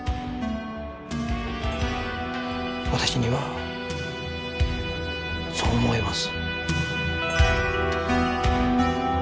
私にはそう思えます。